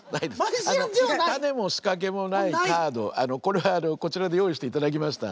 種も仕掛けもないカードこれはこちらで用意していただきましたんで。